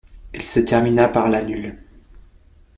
Elle se termina par la nulle.